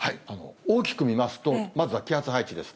大きく見ますと、まずは気圧配置です。